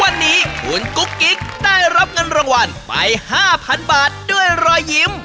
วันนี้คุณกุ๊กกิ๊กได้รับเงินรางวัลไป๕๐๐๐บาทด้วยรอยยิ้ม